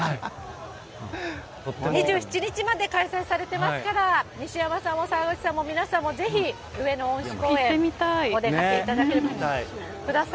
２７日まで開催されてます、西山さんも澤口さんもぜひ、上野恩賜公園、お出かけください。